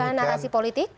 bukan narasi politik